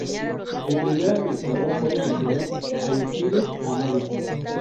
El primer administrador fue el señor Aristides Amaya.